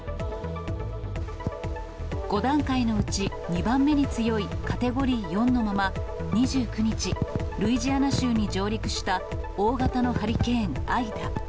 ５段階のうち２番目に強いカテゴリー４のまま２９日、ルイジアナ州に上陸した、大型のハリケーン・アイダ。